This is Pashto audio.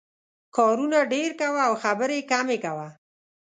کارونه ډېر کوه او خبرې کمې کوه.